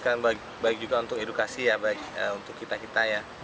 kan baik juga untuk edukasi ya untuk kita kita ya